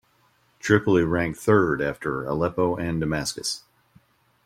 Tripoli ranked third after Aleppo and Damascus.